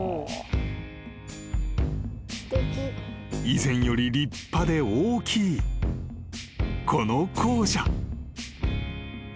［以前より立派で大きいこの校舎］